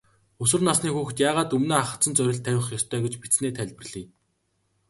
Өсвөр насны хүүхэд яагаад өмнөө ахадсан зорилт тавих ёстой гэж бичсэнээ тайлбарлая.